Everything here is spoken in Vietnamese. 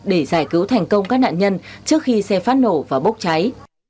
để giải cứu thành công các nạn nhân trước khi xe phát nổ và bốc cháy